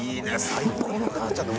最高の母ちゃんだ。